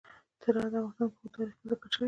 زراعت د افغانستان په اوږده تاریخ کې ذکر شوی دی.